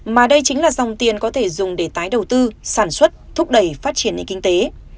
mà đây chính là dòng tiền có thể dùng để tái đầu tư sản xuất thúc đẩy phát triển nền kinh tế